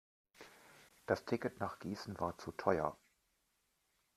Das Ticket nach Gießen war zu teuer